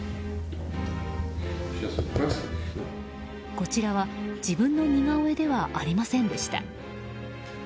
こちらは自分の似顔絵ではありませんでした。